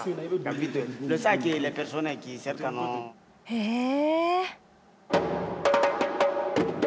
へえ。